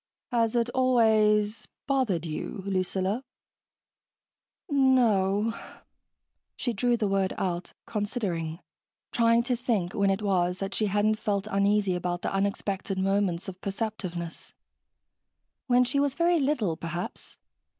"Has it always ... bothered you, Lucilla?" "No o o o." She drew the word out, considering, trying to think when it was that she hadn't felt uneasy about the unexpected moments of perceptiveness. When she was very little, perhaps.